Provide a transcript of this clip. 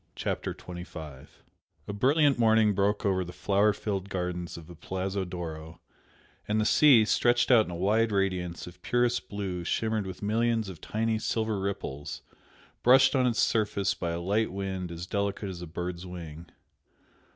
CHAPTER XXV A brilliant morning broke over the flower filled gardens of the Palazzo d'Oro, and the sea, stretched out in a wide radiance of purest blue shimmered with millions of tiny silver ripples brushed on its surface by a light wind as delicate as a bird's wing.